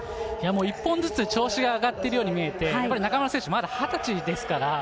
１本ずつ調子が上がっているように見えて中村選手、まだ２０歳ですから。